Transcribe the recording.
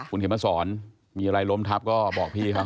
คุณเข็มมาสอนมีอะไรล้มทับก็บอกพี่เขา